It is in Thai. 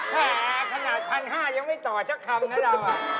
แหละขนาด๑๕๐๐บาทยังไม่ต่อแค่คำนั้นเรา